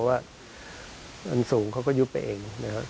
ว่าอันสูงเขาก็ยุบไปเอง